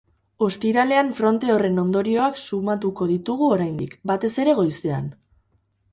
Ostiralean fronte horren ondorioak sumatuko ditugu oraindik, batez ere goizean.